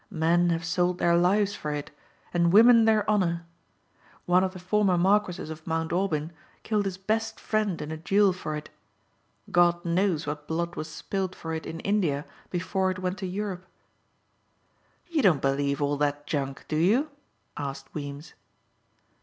"Men have sold their lives for it, and women their honor. One of the former marquises of Mount Aubyn killed his best friend in a duel for it. God knows what blood was spilled for it in India before it went to Europe." "You don't believe all that junk, do you?" asked Weems.